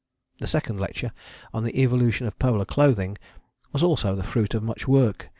The second lecture, on the Evolution of Polar Clothing, was also the fruit of much work.